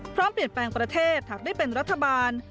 พร้อมเปลี่ยนแปลงประเทศหากได้เป็นรัฐบาล